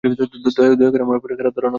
দয়া করে, আমার ব্যাপারে খারাপ ধারণা করবেন না।